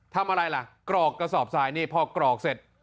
ทำอะไรล่ะกรอกกระสอบทรายนี่พอกรอกเสร็จ